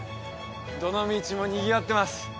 どの道もにぎわってます